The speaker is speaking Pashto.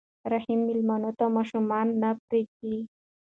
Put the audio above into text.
رحیم مېلمنو ته ماشومان نه پرېږدي.